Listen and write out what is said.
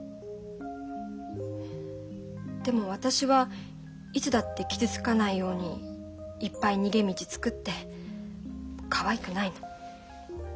でも私はいつだって傷つかないようにいっぱい逃げ道作ってかわいくないの。